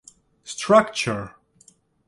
Structure.